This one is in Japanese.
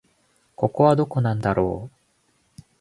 ここはどこなんだろう